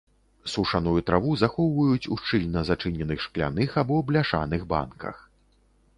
Сушаную траву захоўваюць у шчыльна зачыненых шкляных або бляшаных банках.